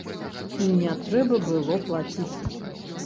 І не трэба было плаціць.